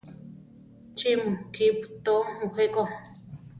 ¿Chí mu kípu tóo mujé ko?